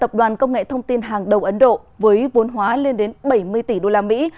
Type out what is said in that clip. tập đoàn công nghệ thông tin hàng đầu ấn độ với vốn hóa lên đến bảy mươi tỷ đô la mỹ